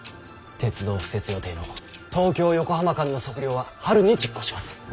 鐵道敷設予定の東京横浜間の測量は春に実行します。